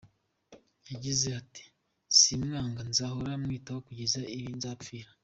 Yagize ati, “Simwanga nzahora mwitaho kugeza igihe nzapfira.